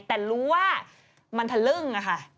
แต่รู้ว่ามันทะลึ่งค่ะ